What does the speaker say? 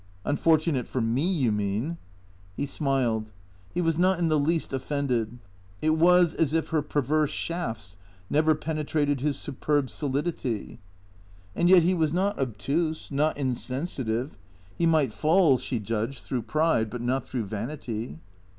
" Unfortunate for me, you mean." He smiled. He was not in the least offended. It was as if her perverse shafts never penetrated his superb solidity. And yet he was not obtuse, not insensitive. He might fall, she judged, through pride, but not through vanity.